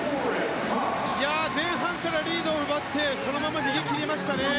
前半からリードを奪ってそのまま逃げ切りましたね。